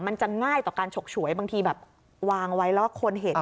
มันจะง่ายต่อการฉกฉวยบางทีแบบวางไว้แล้วคนเห็น